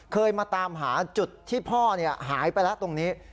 เคยมาตามหาจุดที่พ่อหายไปแล้วตรงนี้